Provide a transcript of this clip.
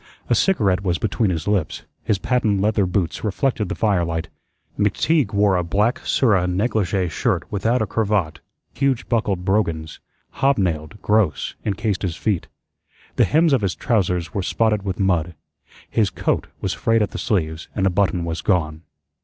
A cigarette was between his lips; his patent leather boots reflected the firelight. McTeague wore a black surah neglige shirt without a cravat; huge buckled brogans, hob nailed, gross, encased his feet; the hems of his trousers were spotted with mud; his coat was frayed at the sleeves and a button was gone.